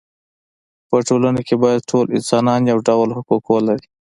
په ټولنه کې باید ټول انسانان یو ډول حقوق ولري.